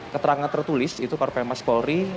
keterangan tertulis itu partai mas polri